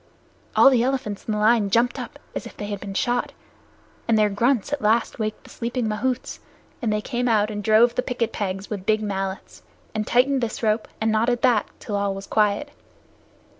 All the elephants in the lines jumped up as if they had been shot, and their grunts at last waked the sleeping mahouts, and they came out and drove in the picket pegs with big mallets, and tightened this rope and knotted that till all was quiet.